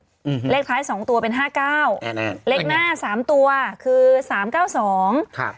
อืมเลขท้ายสองตัวเป็นห้าเก้าอ่าเลขหน้าสามตัวคือสามเก้าสองครับ